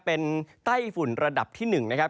เป็นไต้ฝุ่นระดับที่๑นะครับ